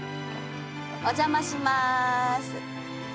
お邪魔します。